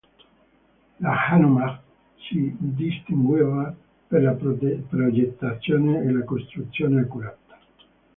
La Hanomag si distingueva per la progettazione e la costruzione accurata.